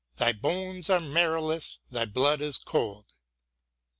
thy bones are marrowless, thy blood is cold."